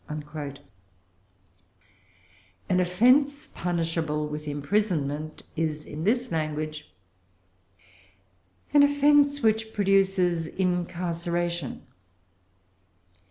"[Pg 393] An offence punishable with imprisonment is, in this language, an offence "which produces incarceration."